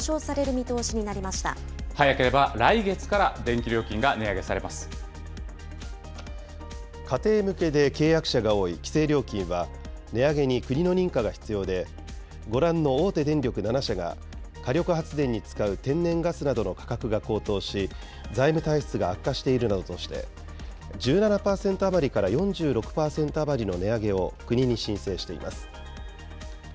見早ければ来月から、電気料金家庭向けで契約者が多い規制料金は、値上げに国の認可が必要で、ご覧の大手電力７社が、火力発電に使う天然ガスなどの価格が高騰し、財務体質が悪化しているなどとして、１７％余りから４６％余りの値上げを、国に申請しています。